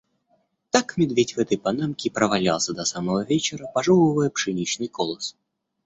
Так медведь в этой панамке и провалялся до самого вечера, пожёвывая пшеничный колос.